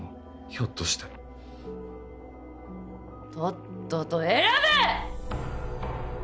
ひょっとしてとっとと選べっ！